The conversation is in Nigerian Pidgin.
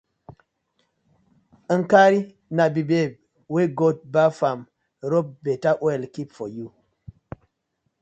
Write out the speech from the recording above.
Nkari na di babe wey God baf am rob betta oil keep for yu.